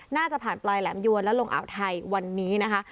น่าจะผ่านปลายแหลมยวนและลงอ่าวไทยวันนี้นะคะ